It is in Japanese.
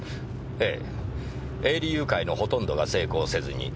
ええ。